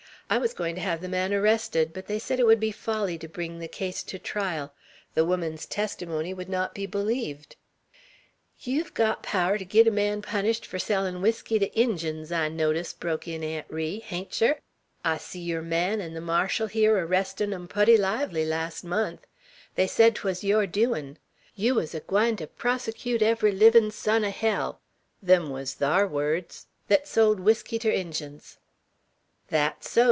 "I was going to have the man arrested, but they said it would be folly to bring the case to trial. The woman's testimony would not be believed." "Yeow've got power ter git a man punished fur sellin' whiskey to Injuns, I notice," broke in Aunt Ri; "hain't yer? I see yeour man 'n' the marshal here arrestin' 'em pooty lively last month; they sed 'twas yeour doin'; yeow was a gwine ter prossacute every livin' son o' hell them wuz thar words thet sold whiskey ter Injuns." "That's so!"